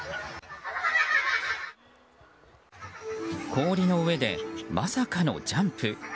氷の上でまさかのジャンプ。